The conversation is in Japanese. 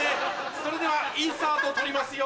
それではインサート撮りますよ。